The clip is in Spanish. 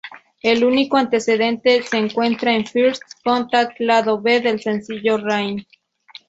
El único antecedente se encuentra en "First Contact", lado B del sencillo Rain.